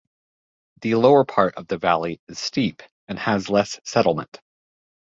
The lower part of the valley is steep and has less settlement.